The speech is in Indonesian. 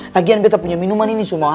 lagian bet punya minuman ini semua haduh